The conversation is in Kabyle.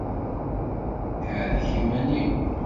Ḥerrek iman-im!